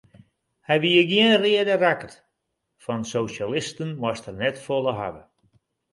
Hy wie gjin reade rakkert, fan sosjalisten moast er net folle hawwe.